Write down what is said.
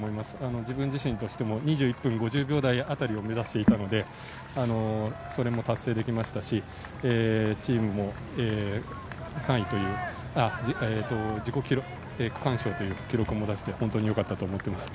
自分自身としても２１分５０秒台を目指していたのでそれも達成できましたし、チームも３位、区間賞という記録も出せて本当よかったと思っています。